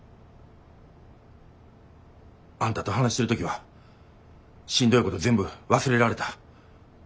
あんたと話してる時はしんどいこと全部忘れられた。